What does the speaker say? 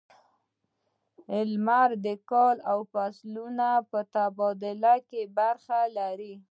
• لمر د کال او فصلونو په تبادله کې برخه لري.